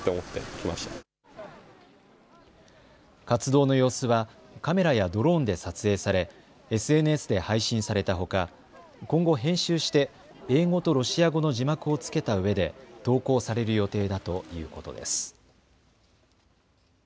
活動の様子はカメラやドローンで撮影されＳＮＳで配信されたほか今後、編集して英語とロシア語の字幕をつけたうえで投稿される予定だということです。